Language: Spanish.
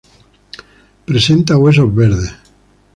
Presenta huesos verdes.